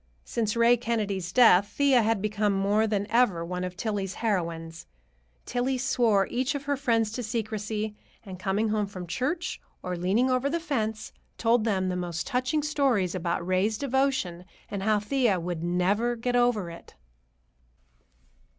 Since Ray Kennedy's death, Thea had become more than ever one of Tillie's heroines. Tillie swore each of her friends to secrecy, and, coming home from church or leaning over the fence, told them the most touching stories about Ray's devotion, and how Thea would "never get over it."